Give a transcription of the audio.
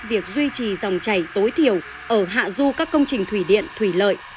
việc duy trì dòng chảy tối thiểu ở hạ du các công trình thủy điện thủy lợi